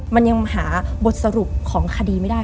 มันยังหาบทสรุปของคดีไม่ได้